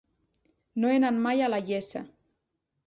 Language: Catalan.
No he anat mai a la Iessa.